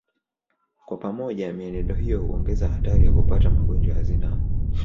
Kwa pamoja mienendo hii huongeza hatari ya kupata magonjwa ya zinaa